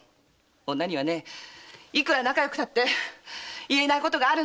女にはいくら仲よくても言えないことがあるのよ！